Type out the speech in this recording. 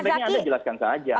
sebenarnya anda jelaskan saja